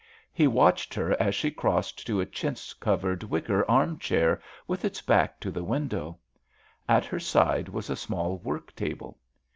He watched her as she crossed to a chintz covered wicker arm chair, with its back to the window. At her side was a small work table.